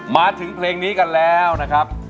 มาถึงเพลงนี้กันแล้วนะครับ